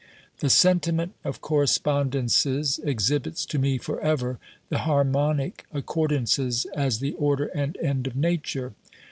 The sentiment of correspondences exhibits to me for ever the harmonic accordances as the order and end of Nature.